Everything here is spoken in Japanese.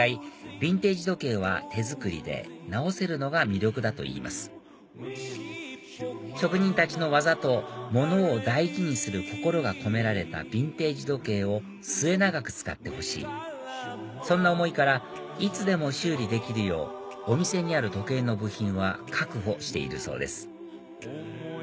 ビンテージ時計は手作りで直せるのが魅力だと言います職人たちの技と物を大事にする心が込められたビンテージ時計を末永く使ってほしいそんな思いからいつでも修理できるようお店にある時計の部品は確保しているそうです